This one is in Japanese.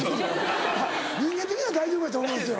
人間的には大丈夫やと思いますよ。